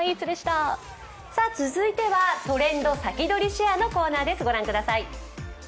続いては「トレンドさきどり＃シェア」のコーナーです。